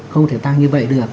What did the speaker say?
không thể tăng như vậy được